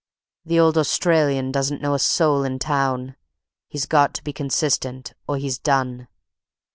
The old Australian doesn't know a soul in town; he's got to be consistent, or he's done.